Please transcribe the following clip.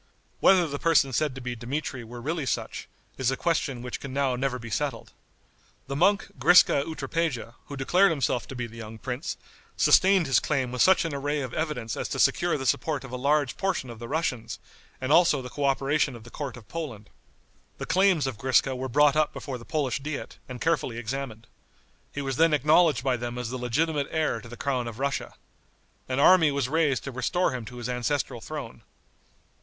Whether the person said to be Dmitri were really such, is a question which can now never be settled. The monk Griska Utropeja, who declared himself to be the young prince, sustained his claim with such an array of evidence as to secure the support of a large portion of the Russians, and also the coöperation of the court of Poland. The claims of Griska were brought up before the Polish diet and carefully examined. He was then acknowledged by them as the legitimate heir to the crown of Russia. An army was raised to restore him to his ancestral throne.